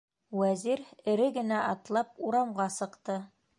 Вәзир, эре генә атлап, урамға сыҡты.